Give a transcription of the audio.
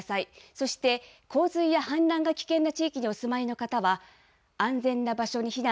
そして、洪水や氾濫が危険な地域にお住まいの方は、安全な場所に避難。